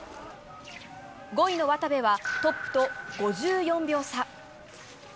５位の渡部は、トップと５４秒差。